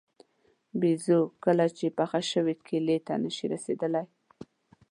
بېزو کله چې پاخه شوي کیلې ته نه شي رسېدلی.